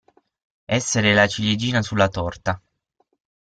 Essere la ciliegina sulla torta.